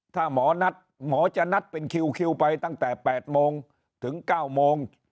ถ้าหมอนัดหมอจะนัดเป็นคิวไปตั้งแต่๘โมงถึง๙โมง